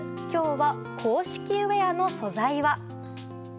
きょうは、公式ウエアの素材は？